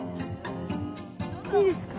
いいですか？